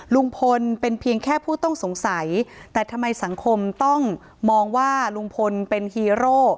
ลุงพลเป็นเพียงแค่ผู้ต้องสงสัยแต่ทำไมสังคมต้องมองว่าลุงพลเป็นฮีโร่